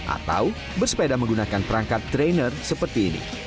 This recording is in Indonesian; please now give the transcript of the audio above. atau bersepeda menggunakan perangkat trainer seperti ini